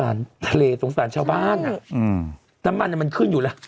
ไม่สงสารทะเลสงสารชาวบ้านอ่ะน้ำมันมันขึ้นอยู่แล้ว